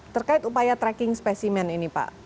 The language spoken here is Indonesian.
terkait upaya tracking spesimen ini pak